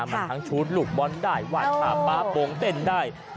มันทั้งชุดลูกบอลได้วาดภาพป๊าโปรงเต้นได้